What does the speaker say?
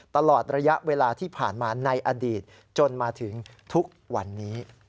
ตลอดระยะเวลาที่ผ่านมาในอดีตจนมาถึงทุกวันนี้